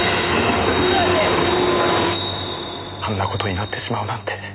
あんな事になってしまうなんて。